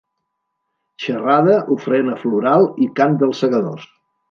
Xerrada, ofrena floral i cant dels Segadors.